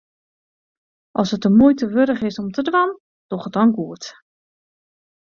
As it de muoite wurdich is om te dwaan, doch it dan goed.